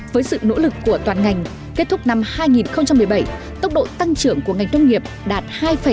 với sự nỗ lực của toàn ngành kết thúc năm hai nghìn một mươi bảy tốc độ tăng trưởng của ngành nông nghiệp đạt hai bảy mươi